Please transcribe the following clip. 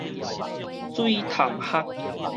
水潭礐